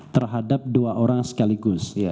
terhadap dua orang sekaligus